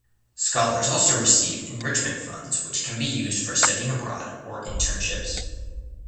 Scholars also receive enrichment funds which can be used for studying abroad or internships.